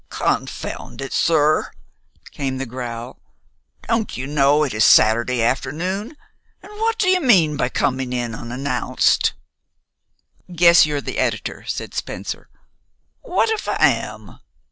"Confound it, sir!" came the growl, "don't you know it is Saturday afternoon? And what do you mean by coming in unannounced?" "Guess you're the editor?" said Spencer. "What if I am?"